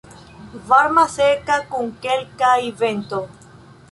Varma, seka kun kelkaj vento.